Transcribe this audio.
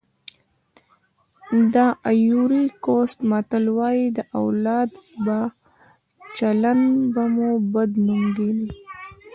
د ایوُري کوسټ متل وایي د اولاد بد چلند په مور بد نوم ږدي.